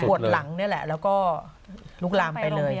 หลังนี่แหละแล้วก็ลุกลามไปเลย